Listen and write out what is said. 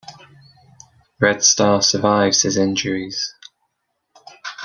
Red Star survives his injuries.